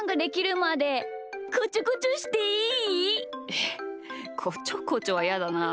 えっこちょこちょはやだな。